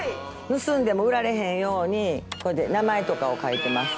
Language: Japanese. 盗んでも売られへんようにこうやって名前とかを書いてます。